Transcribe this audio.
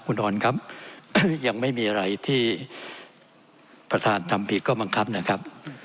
คุณออนครับยังไม่มีอะไรที่ประธานทำผิดก็บังคับนะครับ